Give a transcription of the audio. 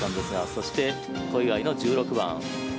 そして、小祝の１６番。